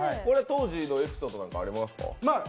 当時のエピソードなんかありますか。